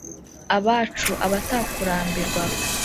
abacu, abatakurambirwa